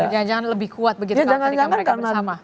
jangan jangan lebih kuat begitu kalau ketika mereka bersama